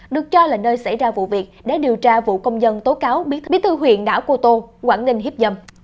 được cho là nơi xảy ra vụ việc để điều tra vụ công dân tố cáo bí thư huyện đảo cô tô quảng ninh hiếp dâm